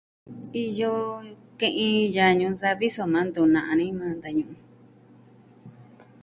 Iyo ke'in yaa ñuu savi soma ntu na'a ni majan vitan ñu'un.